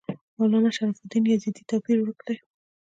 مولنا شرف الدین یزدي توپیر ورک دی.